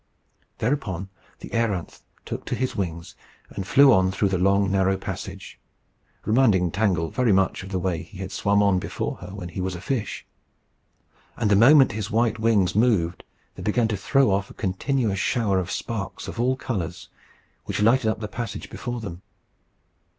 Thereupon the a�ranth took to his wings, and flew on through the long, narrow passage, reminding Tangle very much of the way he had swum on before her when he was a fish. And the moment his white wings moved, they began to throw off a continuous shower of sparks of all colours, which lighted up the passage before them.